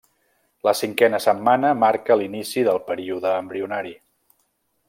La cinquena setmana marca l'inici del període embrionari.